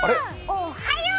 おっはよう！